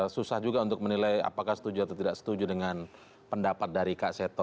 susah juga untuk menilai apakah setuju atau tidak setuju dengan pendapat dari kak seto